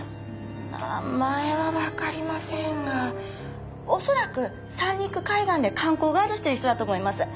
名前はわかりませんが恐らく三陸海岸で観光ガイドしている人だと思います。